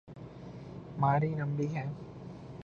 ماری لمبی ہے۔